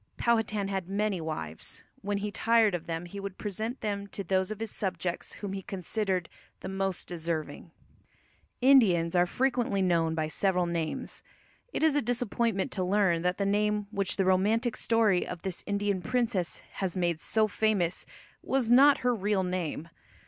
Powhatan had many wives; when he tired of them he would present them to those of his subjects whom he considered the most deserving. Indians are frequently known by several names. It is a disappointment to learn that the name which the romantic story of this Indian princess has made so famous was not her real name.